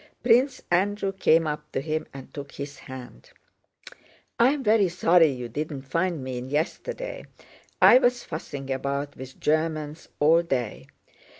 Prince Andrew came up to him and took his hand. "I am very sorry you did not find me in yesterday. I was fussing about with Germans all day.